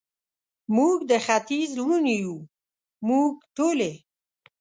موږ د ختیځ لوڼې یو، موږ ټولې،